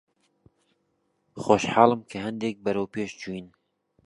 خۆشحاڵم کە هەندێک بەرەو پێش چووین.